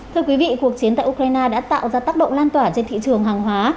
thưa quý vị cuộc chiến tại ukraine đã tạo ra tác động lan tỏa trên thị trường hàng hóa